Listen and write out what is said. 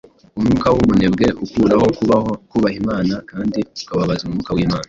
Umwuka w’ubunebwe ukuraho kubaha Imana kandi ukababaza Mwuka w’Imana.